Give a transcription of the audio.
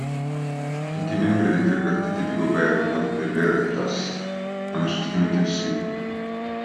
Tutti i membri dei tre partiti di governo nell'Oireachtas hanno sostenuto il 'sì'.